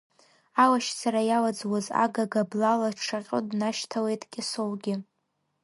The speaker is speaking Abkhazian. Алашьцара иалаӡуаз агага, блала дшаҟьо днашьҭалеит Кьасоугьы.